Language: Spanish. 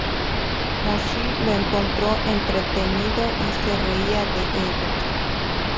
Mo Xi lo encontró entretenido y se reía de ellos.